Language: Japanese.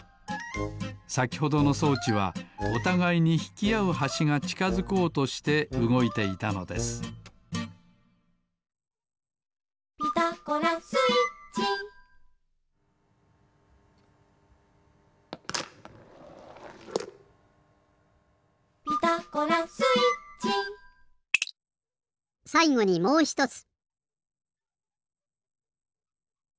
さきほどの装置はおたがいにひきあうはしがちかづこうとしてうごいていたのです「ピタゴラスイッチ」「ピタゴラスイッチ」さいごにもうひとつ。